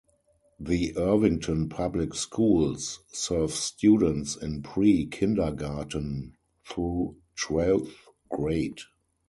The Irvington Public Schools serve students in pre-kindergarten through twelfth grade.